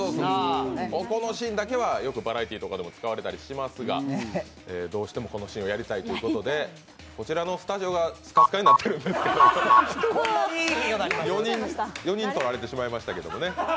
このシーンだけはよくバラエティーで使われたりしますがどうしてもこのシーンをやりたいということでこちらのスタジオがスカスカになってるんですけど４人とられてしまいましたけどね。